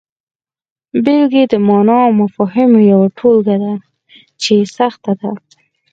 بلکې د معني او مفاهیمو یوه ټولګه ده چې سخته ده.